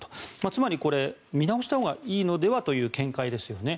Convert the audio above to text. つまりこれ見直したほうがいいのではという見解ですよね。